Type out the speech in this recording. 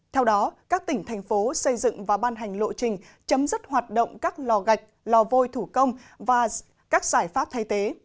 theo đó các tỉnh thành phố xây dựng và ban hành lộ trình chấm dứt hoạt động các lò gạch lò vôi thủ công và các giải pháp thay tế